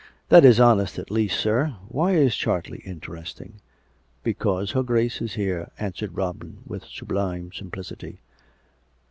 " That is honest at least, sir. And why is Chartley interesting? "" Because her Grace is here," answered Robin with sub lime simplicity.